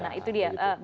nah itu dia